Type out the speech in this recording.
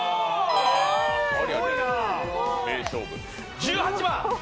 １８番！